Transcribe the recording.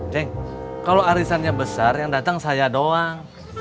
deh kalau arisannya besar yang datang saya doang